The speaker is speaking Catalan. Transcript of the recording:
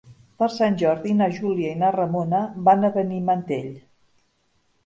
Per Sant Jordi na Júlia i na Ramona van a Benimantell.